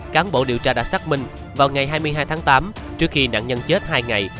cán bộ điều tra đã xác minh vào ngày hai mươi hai tháng tám trước khi nạn nhân chết hai ngày